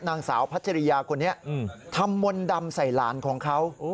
นางสาวพัชริยาคนนี้ทำมนต์ดำใส่หลานของเขา